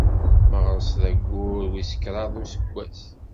Meɣres d ayyur wis kraḍ n useggas.